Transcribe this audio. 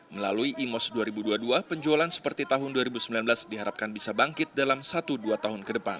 melalui imos dua ribu dua puluh dua penjualan seperti tahun dua ribu sembilan belas diharapkan bisa bangkit dalam satu dua tahun ke depan